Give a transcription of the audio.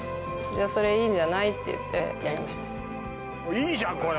いいじゃんこれ！